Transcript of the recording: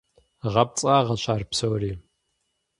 ГъэпцӀагъэщ ар псори.